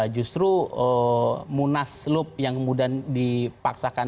justru munas luh yang kemudian dipaksakan